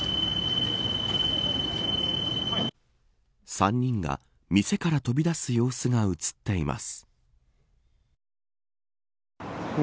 ３人が店から飛び出す様子が映っています。